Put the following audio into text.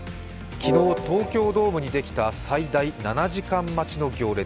昨日、東京ドームにできた最大７時間待ちの行列。